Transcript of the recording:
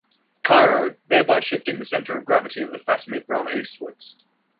Cairo, thereby shifting the centre of gravity of the Fatimid realm eastwards.